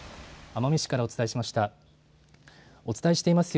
奄美市からお伝えしました。